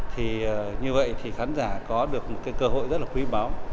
thì như vậy thì khán giả có được một cái cơ hội rất là quý báu